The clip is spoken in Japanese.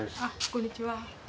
こんにちは。